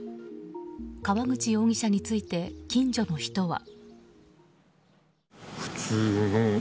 川口容疑者について近所の人は。